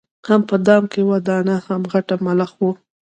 هم په دام کي وه دانه هم غټ ملخ وو